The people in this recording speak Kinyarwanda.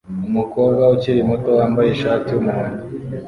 Umukobwa ukiri muto wambaye ishati yumuhondo